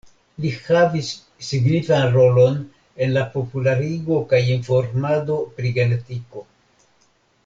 Li havis signifan rolon en la popularigo kaj informado pri genetiko.